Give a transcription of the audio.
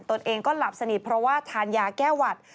ตัวเองก็หลับสนิทเพราะว่าทานยาแก้หวัด